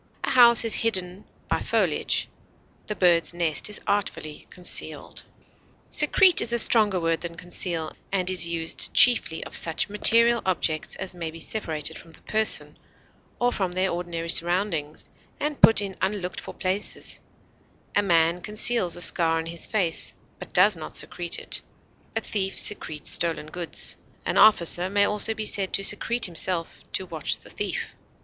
A house is hidden by foliage; the bird's nest is artfully concealed. Secrete is a stronger word than conceal, and is used chiefly of such material objects as may be separated from the person, or from their ordinary surroundings, and put in unlooked for places; a man conceals a scar on his face, but does not secrete it; a thief secretes stolen goods; an officer may also be said to secrete himself to watch the thief.